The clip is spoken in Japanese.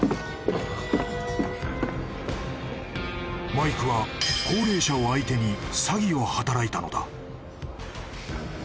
［マイクは高齢者を相手に詐欺を働いたのだ］